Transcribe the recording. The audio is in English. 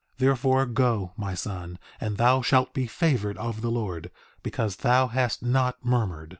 3:6 Therefore go, my son, and thou shalt be favored of the Lord, because thou hast not murmured.